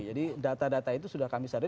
data data itu sudah kami sadari